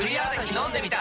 飲んでみた！